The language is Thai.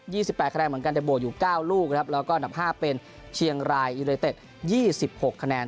ี่สิบแปดคะแนนเหมือนกันแต่บวกอยู่เก้าลูกครับแล้วก็อันดับห้าเป็นเชียงรายอีเลเต็ดยี่สิบหกคะแนน